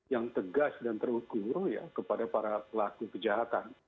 yang tegas dan terukur ya kepada para pelaku kejahatan